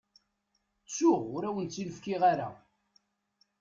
Ttuɣ, ur awent-tt-in-fkiɣ ara.